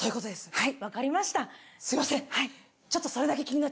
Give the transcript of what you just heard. はい？